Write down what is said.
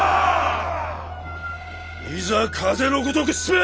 いざ風の如く進め！